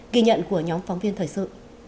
ghi nhận của nhóm phóng viên thời sự